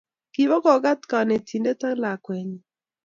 kiba kokat konetinte ak lakweenyin